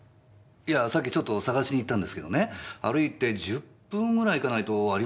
いやさっきちょっと探しに行ったんですけどね歩いて１０分ぐらい行かないとありませんでしたよ。